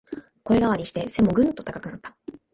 声変わりして背もぐんと高くなった